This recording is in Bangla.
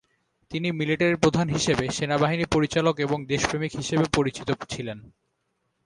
তিনি মিলিটারি প্রধান হিসেবে সেনাবাহিনী পরিচালক এবং দেশপ্রেমিক হিসেবে পরিচিত ছিলেন।